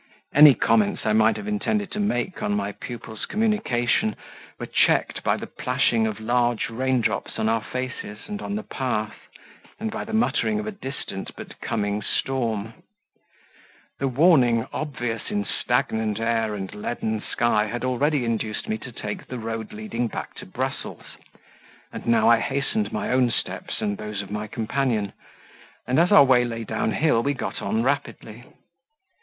Any comments I might have intended to make on my pupil's communication, were checked by the plashing of large rain drops on our faces and on the path, and by the muttering of a distant but coming storm. The warning obvious in stagnant air and leaden sky had already induced me to take the road leading back to Brussels, and now I hastened my own steps and those of my companion, and, as our way lay downhill, we got on rapidly.